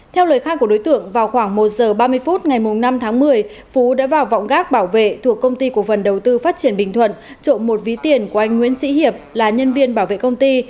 theo lời khai của đối tượng vào khoảng một giờ ba mươi phút ngày năm tháng một mươi phú đã vào vọng gác bảo vệ thuộc công ty cổ phần đầu tư phát triển bình thuận trộm một ví tiền của anh nguyễn sĩ hiệp là nhân viên bảo vệ công ty